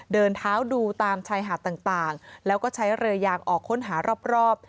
เดินเท้าดูตามชายหาดต่างแล้วก็ใช้เรือยางออกค้นหารอบ